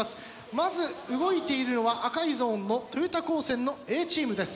まず動いているのは赤いゾーンの豊田高専のＡチームです。